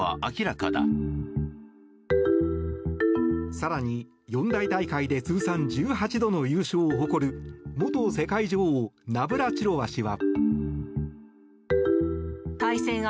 更に四大大会で通算１８度の優勝を誇る元世界女王ナブラチロワ氏は。